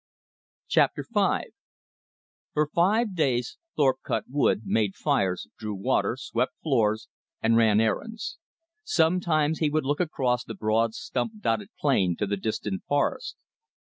Chapter V For five days Thorpe cut wood, made fires, drew water, swept floors, and ran errands. Sometimes he would look across the broad stump dotted plain to the distant forest.